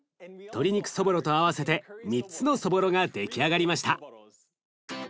鶏肉そぼろと合わせて３つのそぼろが出来上がりました。